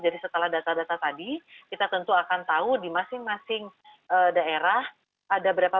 jadi setelah data data tadi kita tentu akan tahu di masing masing daerah ada berapa